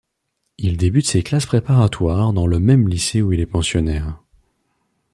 Il débute ses classes préparatoires dans le même lycée où il est pensionnaire.